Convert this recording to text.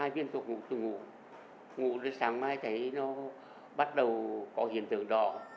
viện thuốc của thuốc ngủ ngủ sáng mai thấy nó bắt đầu có hiện tượng đỏ